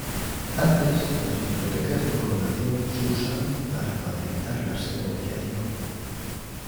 Antes las bibliotecas de clonación se usaban para facilitar la secuenciación.